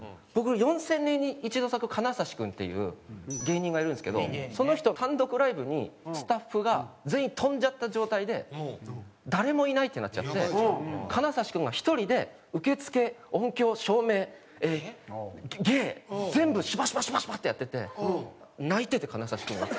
４０００年に一度咲く金指君っていう芸人がいるんですけどその人単独ライブにスタッフが全員飛んじゃった状態で誰もいないってなっちゃって金指君が１人で受付音響照明芸全部シュパシュパシュパシュパッてやってて泣いてて金指君が。